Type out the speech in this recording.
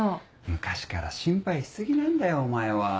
昔から心配し過ぎなんだよお前は。